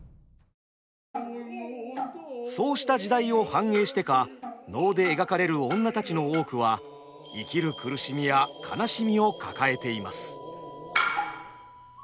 そうした時代を反映してか能で描かれる女たちの多くは生きる苦しみや悲しみを抱えています。